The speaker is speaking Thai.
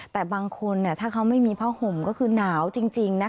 แต่บางคนถ้าเขาไม่มีผ้าห่มก็คือหนาวจริงนะคะ